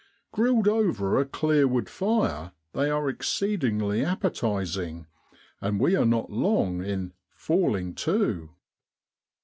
Grilled over a clear wood fire, they are exceedingly appetising: and we are not long in ' falling to.'